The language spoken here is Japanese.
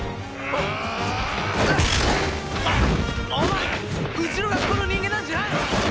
お前うちの学校の人間なんじゃないのか？